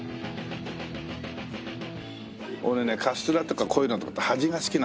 俺ねカステラとかこういうのとか端が好きなのよ。